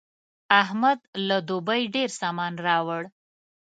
احمد له دوبۍ ډېر سامان راوړ.